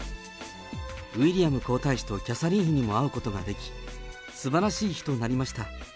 ウィリアム皇太子とキャサリン妃にも会うことができ、すばらしい日となりました。